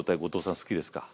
好きです。